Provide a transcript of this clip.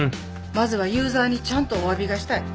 まずはユーザーにちゃんとおわびがしたい